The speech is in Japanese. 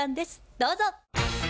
どうぞ。